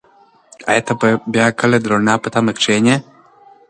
ایا ته به بیا کله د رڼا په تمه کښېنې؟